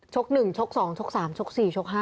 ๑ชก๒ชก๓ชก๔ชก๕